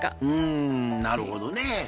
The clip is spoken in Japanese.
うんなるほどね。